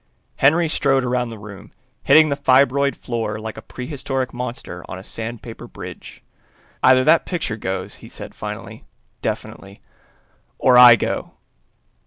Henry strode around the room, hitting the fibroid floor like a prehistoric monster on a sandpaper bridge. "Either that picture goes," he said finally, definitely, "or I go!"